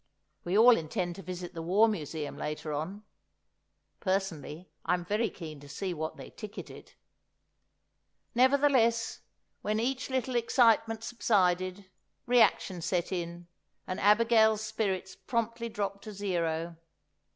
We all intend to visit the War Museum later on. Personally, I'm very keen to see what they ticket it. Nevertheless, when each little excitement subsided, reaction set in, and Abigail's spirits promptly dropped to zero.